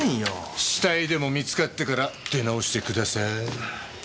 死体でも見つかってから出直してください。